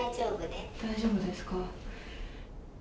大丈夫ですか。